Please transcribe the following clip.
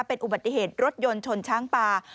เป็นอุบัติเหตุรถยนต์ชนช้างป่า